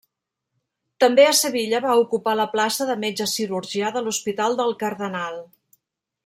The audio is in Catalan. També a Sevilla va ocupar la plaça de metge cirurgià de l'Hospital del Cardenal.